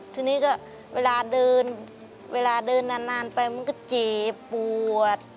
ทีนี้ก็เวลาเดินนานไปมันก็เจ็บปวด